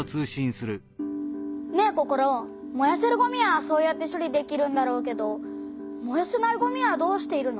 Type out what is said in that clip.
ねえココロ。もやせるごみはそうやって処理できるんだろうけどもやせないごみはどうしているの？